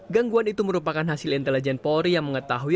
gangguan itu merupakan hasil intelijen polri yang mengetahui